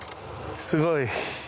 すごい。